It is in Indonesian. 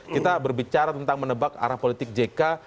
kita berbicara tentang menebak arah politik jk